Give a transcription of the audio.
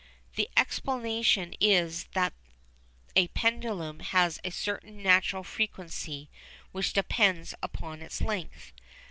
The explanation is that a pendulum has a certain natural frequency which depends upon its length.